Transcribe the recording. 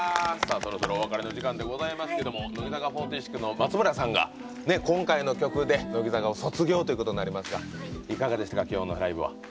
そろそろお別れの時間ですが乃木坂４６の松村さんが今回の曲で乃木坂を卒業ということになりますがいかがでしたかきょうのライブは。